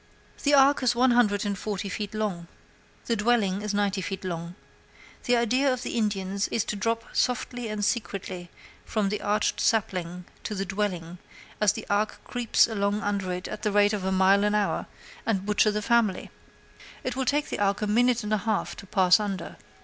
The ark is one hundred and forty feet long; the dwelling is ninety feet long. The idea of the Indians is to drop softly and secretly from the arched sapling to the dwelling as the ark creeps along under it at the rate of a mile an hour, and butcher the family. It will take the ark a minute and a half to pass under.